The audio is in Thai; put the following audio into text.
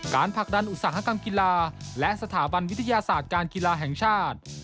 ผลักดันอุตสาหกรรมกีฬาและสถาบันวิทยาศาสตร์การกีฬาแห่งชาติ